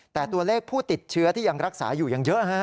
แต่ตัวเลขผู้ติดเชื้อที่ยังรักษาอยู่ยังเยอะฮะ